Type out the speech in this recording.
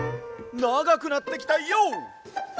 ながくなってきたＹＯ！